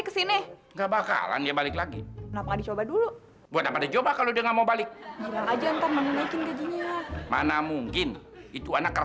sampai jumpa di video selanjutnya